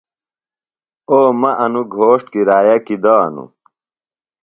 او مہ انوۡ گھوݜٹ کرایہ کیۡ دانوۡ۔